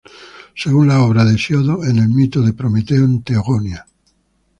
Según las obras de Hesíodo, en el mito de Prometeo, en "Teogonía.